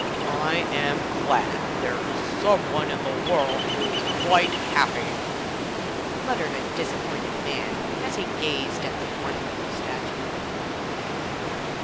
'I am glad there is some one in the world who is quite happy', muttered a disappointed man as he gazed at the wonderful statue.